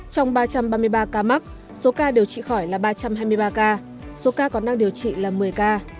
trong ba trăm ba mươi ba ca mắc số ca điều trị khỏi là ba trăm hai mươi ba ca số ca còn đang điều trị là một mươi ca